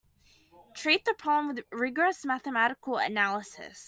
Treat the problem with rigorous mathematical analysis.